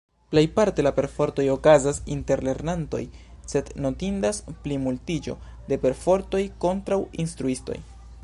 Plejparte la perfortoj okazas inter lernantoj, sed notindas plimultiĝo de perfortoj kontraŭ instruistoj.